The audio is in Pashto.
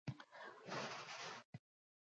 ایا ستاسو ساز زړه راښکونکی دی؟